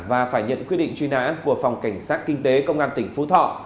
và phải nhận quyết định truy nã của phòng cảnh sát kinh tế công an tỉnh phú thọ